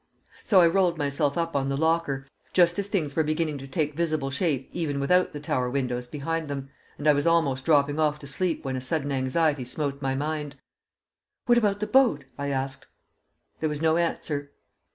So I rolled myself up on the locker, just as things were beginning to take visible shape even without the tower windows behind them, and I was almost dropping off to sleep when a sudden anxiety smote my mind. "What about the boat?" I asked. There was no answer.